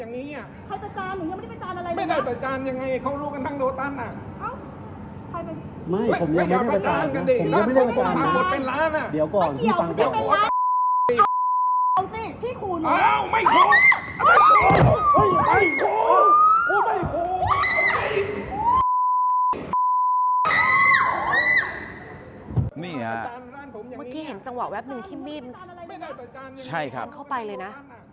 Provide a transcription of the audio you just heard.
เมื่อกี้เห็นจังหวะแวบหนึ่งที่มีดเข้าไปเลยนะ